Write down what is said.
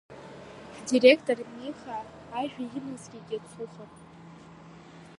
Ҳдиректор Миха ажәа имаскит иацуха.